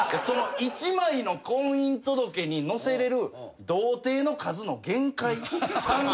その一枚の婚姻届に載せれる童貞の数の限界？